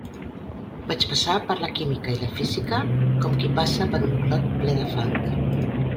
Vaig passar per la química i la física com qui passa per un clot ple de fang.